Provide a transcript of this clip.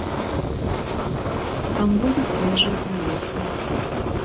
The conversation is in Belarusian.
Там будуць свежыя праекты.